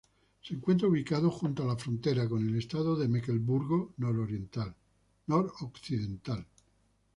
Se encuentra ubicado junto a la frontera con el estado de Mecklemburgo Noroccidental.